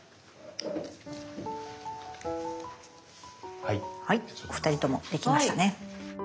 はいお二人ともできましたね。